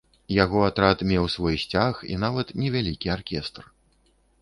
Яго атрад меў свой сцяг і нават невялікі аркестр.